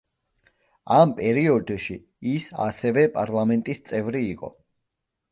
ამ პერიოდში ის ასევე პარლამენტის წევრი იყო.